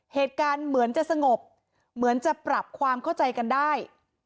เหตุการณ์เหมือนจะสงบเหมือนจะปรับความเข้าใจกันได้